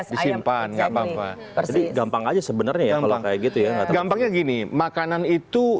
disimpan nggak papa persis gampang aja sebenarnya kalau kayak gitu ya gampangnya gini makanan itu